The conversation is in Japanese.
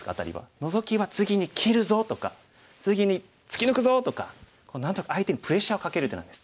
ノゾキは「次に切るぞ」とか「次に突き抜くぞ」とかなんとか相手にプレッシャーをかける手なんです。